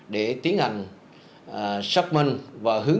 để tiến hành xác minh và hướng dẫn cho người dân ở địa phương